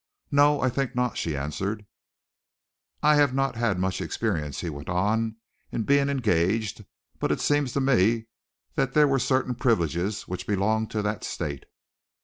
"No, I think not!" she answered. "I have not had much experience," he went on, "in being engaged, but it seemed to me that there were certain privileges which belonged to that state."